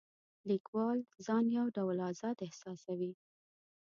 لیکوال ځان یو ډول آزاد احساسوي.